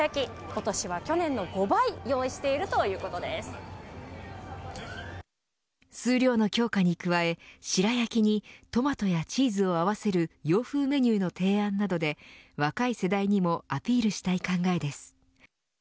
今年は去年の５倍数量の強化に加え、白焼きにトマトやチーズを合わせる洋風メニューの提案などで若い世代にもアピールしたい考えです。